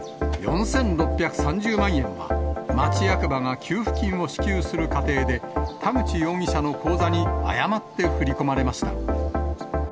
４６３０万円は、町役場が給付金を支給する過程で、田口容疑者の口座に誤って振り込まれました。